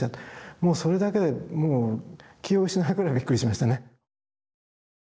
もうそれだけでもう気を失うぐらいびっくりしましたね。